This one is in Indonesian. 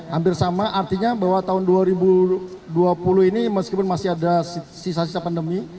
hampir sama artinya bahwa tahun dua ribu dua puluh ini meskipun masih ada sisa sisa pandemi